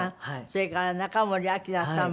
それから中森明菜さん。